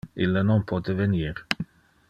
Ille non pote venir.